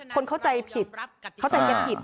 คนเข้าใจผิด